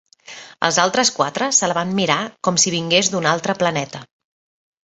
Els altres quatre se la van mirar com si vingués d'un altre planeta.